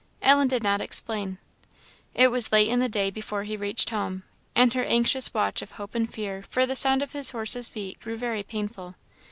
Ellen did not explain. It was late in the day before he reached home, and her anxious watch of hope and fear for the sound of his horse's feet grew very painful.